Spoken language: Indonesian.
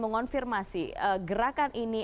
mengonfirmasi gerakan ini